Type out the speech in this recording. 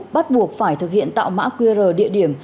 bắt buộc phải thực hiện tạo mã qr địa điểm